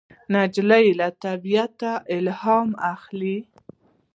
نجلۍ له طبیعته الهام اخلي.